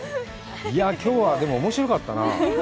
いや、きょうはでもおもしろかったなあ。